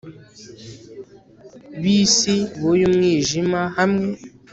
b'isi b'uyu mwijima hamwe